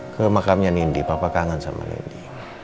ke makamnya nindi papa kangen sama nindi